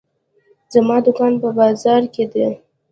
زما دوکان په بازار کې ده.